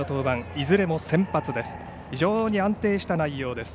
いずれも先発です。